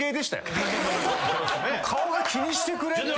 顔が気にしてくれって。